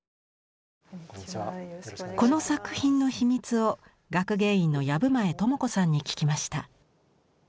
この作品の秘密を学芸員の藪前知子さんに聞きました。